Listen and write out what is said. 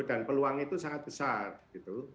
dan peluang itu sangat besar gitu